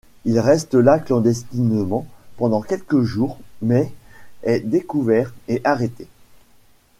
Il reste là clandestinement pendant quelques jours mais est découvert et arrêté.